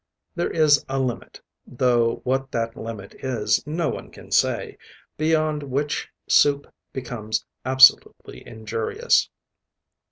There is a limit, though what that limit is no one can say, beyond which soup becomes absolutely injurious.